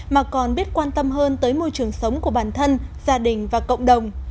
mà còn biết quan tâm hơn tới môi trường sống của bản thân gia đình và cộng đồng